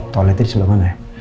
toiletnya di sebelah mana ya